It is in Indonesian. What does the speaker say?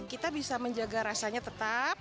kita bisa menjaga rasanya tetap